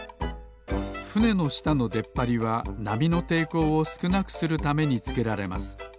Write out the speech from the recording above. ふねのしたのでっぱりはなみのていこうをすくなくするためにつけられます。